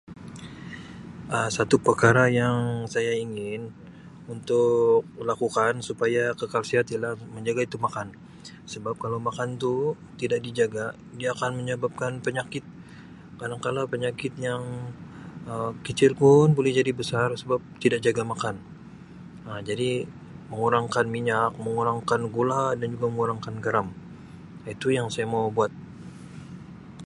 Um Satu perkara yang saya ingin untuk lakukan supaya kekal sihat ialah menjaga itu makan sebab kalau makan tu tidak dijaga dia akan menyebabkan penyakit kadangkala penyakit yang Um kecil pun boleh jadi besar sebab tidak jaga makan Um jadi mengurangkan minyak, mengurangkan gula dan juga mengurangkan garam Um itu yang saya mau buat.